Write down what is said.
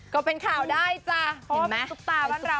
ก็เป็นขาวได้จ้ะก็เป็นสุปร่าวบ้านเรา